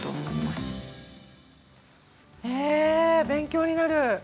勉強になる。